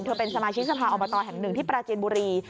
เป็นสมาชิกสภาอบตแห่งหนึ่งที่ปราจินบุรี